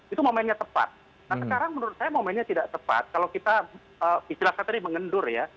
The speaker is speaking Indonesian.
itu momennya tepat nah sekarang menurut saya momennya tidak tepat kalau kita istilahkan tadi mengendur ya